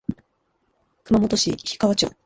熊本県氷川町